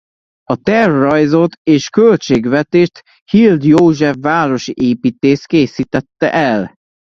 A tervrajzot és költségvetést Hild József városi építész készítette el.